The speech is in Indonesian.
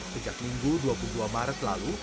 sejak minggu dua puluh dua maret lalu